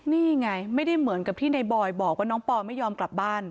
นี่ไงไม่ได้เหมือนกับที่ในบอยบอกว่าน้องปอไม่ยอมกลับบ้าน